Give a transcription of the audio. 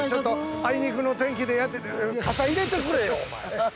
あいにくの天気でやって傘入れてくれよ、お前！